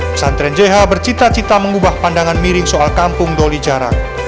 pesantren jh bercita cita mengubah pandangan miring soal kampung doli jarak